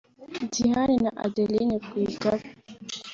Diane na Adeline Rwigara